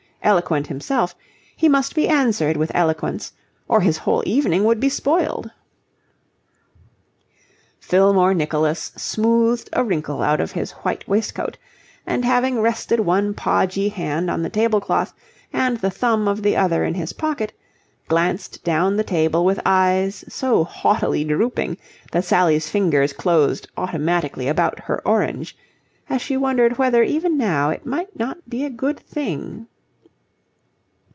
Eloquent himself, he must be answered with eloquence, or his whole evening would be spoiled. Fillmore Nicholas smoothed a wrinkle out of his white waistcoat; and having rested one podgy hand on the table cloth and the thumb of the other in his pocket, glanced down the table with eyes so haughtily drooping that Sally's fingers closed automatically about her orange, as she wondered whether even now it might not be a good thing...